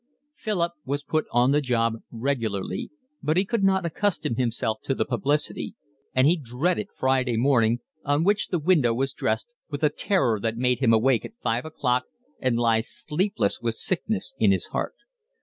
Philip was put on the job regularly, but he could not accustom himself to the publicity; and he dreaded Friday morning, on which the window was dressed, with a terror that made him awake at five o'clock and lie sleepless with sickness in his heart.